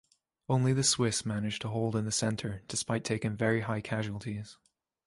Only the Swiss managed to hold in the centre despite taking very high casualties.